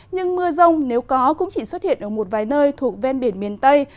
nhưng mưa rông nếu có cũng chỉ xuất hiện ở một vài nơi thuộc ven biển miền tây